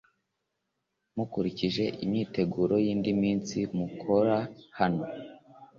Mukurikije imyiteguro y’indi minsi mukora hano